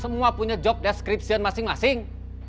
semua punya job description masing masing